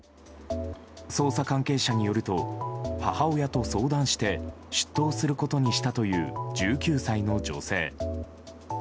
捜査関係者によると母親と相談して出頭することにしたという１９歳の女性。